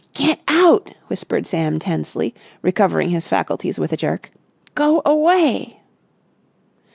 "Get out!" whispered Sam tensely, recovering his faculties with a jerk. "Go away!"